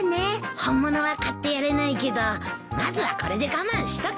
本物は買ってやれないけどまずはこれで我慢しとけ。